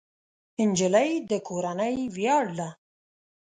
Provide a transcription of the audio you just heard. نجلۍ د کورنۍ ویاړ ده.